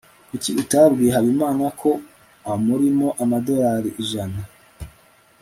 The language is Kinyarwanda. kuki utabwiye habimana ko amurimo amadolari ijana